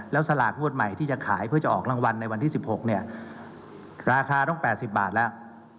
แล้วสลากงวดใหม่ที่จะขายเพื่อจะออกรางวัลในวันที่๑๖เนี่ยราคาต้อง๘๐บาทแล้ว